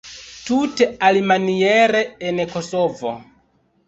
Tute alimaniere en Kosovo.